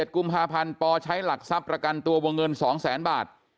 ๑กุมภาพันธ์ปใช้หลักทรัพย์ประกันตัววงเงิน๒แสนบาท